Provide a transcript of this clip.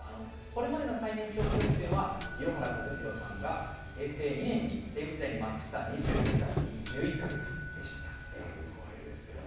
これまでの最年少記録というのは、清原和博さんが平成２年に、西武時代にマークした２２歳１１か月すごいですよね。